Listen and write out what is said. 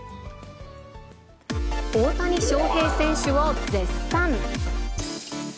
大谷翔平選手を絶賛。